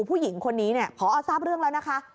ผู้หญิงคนนี้เนี่ยพอทราบเรื่องแล้วนะคะ